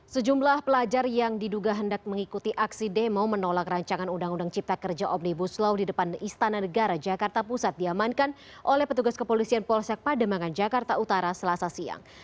sejumlah pelajar yang diduga hendak mengikuti aksi demo menolak rancangan undang undang cipta kerja omnibus law di depan istana negara jakarta pusat diamankan oleh petugas kepolisian polsek pademangan jakarta utara selasa siang